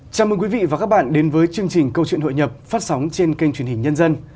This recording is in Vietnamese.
chào mừng quý vị và các bạn đến với chương trình câu chuyện hội nhập phát sóng trên kênh truyền hình nhân dân